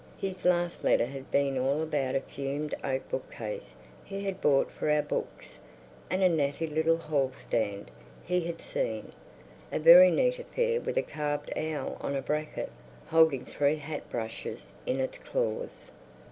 His last letter had been all about a fumed oak bookcase he had bought for "our" books, and a "natty little hall stand" he had seen, "a very neat affair with a carved owl on a bracket, holding three hat brushes in its claws."